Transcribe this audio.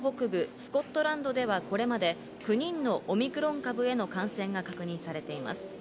スコットランドではこれまで９人のオミクロン株への感染が確認されています。